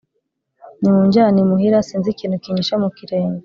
Nimunjyane imuhira, sinzi ikintu kinyishe mu kirenge.